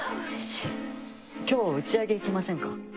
今日打ち上げ行きませんか？